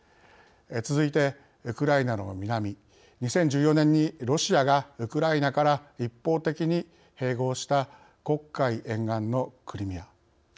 続いてウクライナの南２０１４年にロシアがウクライナから一方的に併合した黒海沿岸のクリミア。